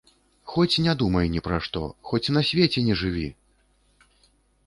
Хоць не думай ні пра што, хоць на свеце не жыві!